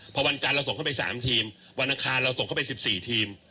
พอวันการเราส่งเข้าไปสามทีมวันอาคารเราส่งเข้าไปสิบสี่ทีม